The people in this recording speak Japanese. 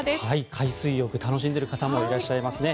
海水浴楽しんでいる方もいらっしゃいますね。